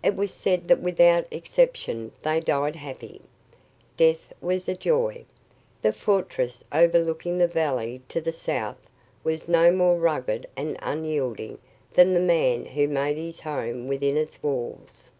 It was said that without exception they died happy. Death was a joy. The fortress overlooking the valley to the south was no more rugged and unyielding than the man who made his home within its walls.